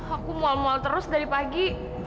aku mau terus dari pagi